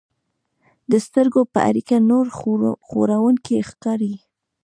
د سترګو په اړیکه نور خوړونکي ښکاري.